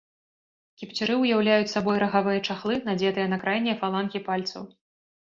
Кіпцюры ўяўляюць сабой рагавыя чахлы, надзетыя на крайнія фалангі пальцаў.